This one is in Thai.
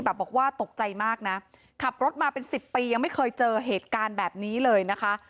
บอกว่าตกใจมากนะขับรถมาเป็นสิบปียังไม่เคยเจอเหตุการณ์แบบนี้เลยนะคะ